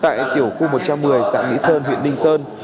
tại tiểu khu một trăm một mươi xã mỹ sơn huyện ninh sơn